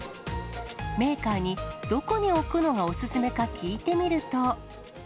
メーカーにどこに置くのがお勧めか聞いてみると。